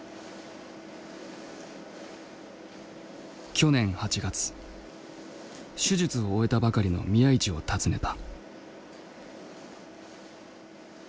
去年８月手術を終えたばかりの宮市を訪ねた。